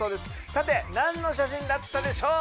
さてなんの写真だったでしょう？